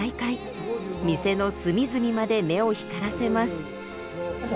店の隅々まで目を光らせます。